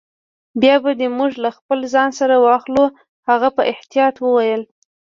بیا به دي موږ له خپل ځان سره واخلو. هغه په احتیاط وویل.